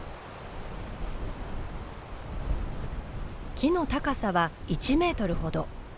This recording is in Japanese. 木の高さは１メートルほど。